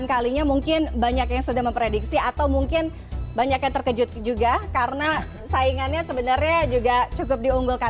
kalinya mungkin banyak yang sudah memprediksi atau mungkin banyak yang terkejut juga karena saingannya sebenarnya juga cukup diunggulkan